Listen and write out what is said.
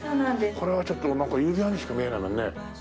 これはちょっとなんか指輪にしか見えないもんね。